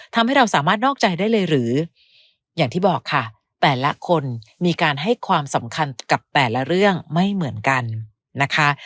ทำให้เราสามารถนอกใจได้เลยหรืออย่างที่บอกค่ะแต่ละคนมีการให้ความสำคัญกับแต่ละเรื่องไม่เหมือนกันนะคะ